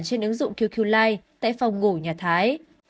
trên ứng dụng qq life tại phòng ngủ nhà thái